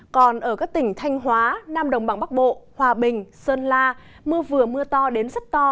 còn ở các tỉnh thanh hóa nam đồng bằng bắc bộ hòa bình sơn la mưa vừa mưa to đến rất to